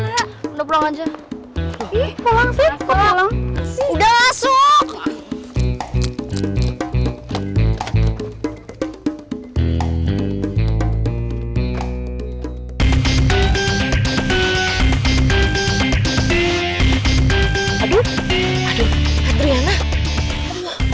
hidup di pulang aja aduh adrianah erschok aduh pennaya engkau mksi oac gua evil driving